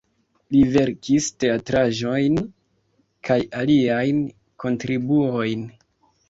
Li verkis teatraĵojn kaj aliajn kontribuojn.